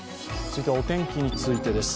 続いてはお天気についてです。